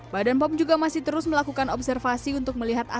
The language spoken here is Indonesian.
badan pom juga masih terus melakukan observasi untuk melihat asap